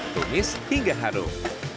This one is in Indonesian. tumis hingga harum